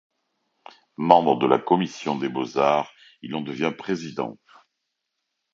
Membre de la commission des Beaux-Arts, il en devient président.